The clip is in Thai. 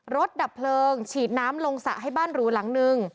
ดับเพลิงฉีดน้ำลงสระให้บ้านหรูหลังนึง